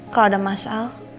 kalau ada mas al